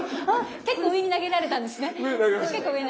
結構上に投げられたんですね。